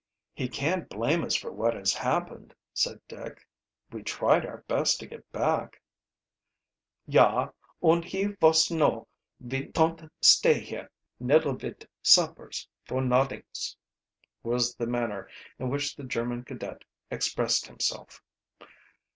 "He can't blame us for what has happened," said Dick. "We tried our best to get back." "Yah, und he vos know ve ton't stay here nildowit suppers for noddings," was the manner in which the German cadet expressed himself.